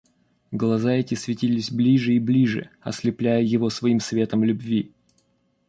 Глаза эти светились ближе и ближе, ослепляя его своим светом любви.